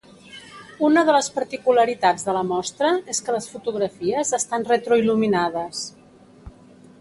Una de les particularitats de la mostra és que les fotografies estan retro il·luminades.